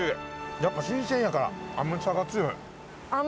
やっぱ新鮮やから甘さが強い。